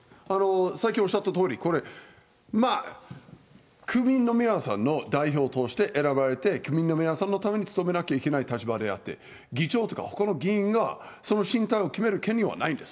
さっきおっしゃったとおり、これ、区民の皆さんの代表として選ばれて、区民の皆さんのために務めなきゃいけない立場であって、議長とかほかの議員が、その進退を決める権利はないんです。